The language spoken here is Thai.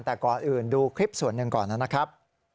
แต่ก่อนอื่นดูคลิปส่วนหนึ่งก่อนนะครับ